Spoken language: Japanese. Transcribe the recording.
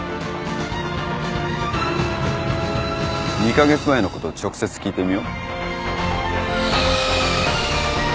２カ月前のことを直接聞いてみよう。